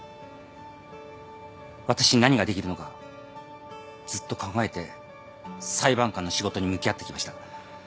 私に何ができるのかずっと考えて裁判官の仕事に向き合ってきました。